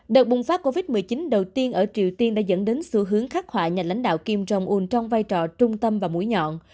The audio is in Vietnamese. đợt bùng phát covid một mươi chín đầu tiên ở triều tiên đã dẫn đến xu hướng khắc họa nhà lãnh đạo kim jong un trong vai trò trung tâm và mũi nhọn